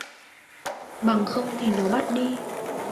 Bằng không thì nó bắt đi